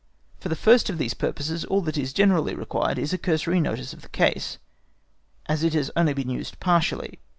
For the first of these purposes all that is generally required is a cursory notice of the case, as it is only used partially.